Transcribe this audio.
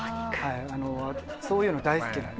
そういうの大好きなので。